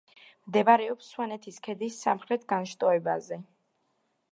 მდებარეობს სვანეთის ქედის სამხრეთ განშტოებაზე.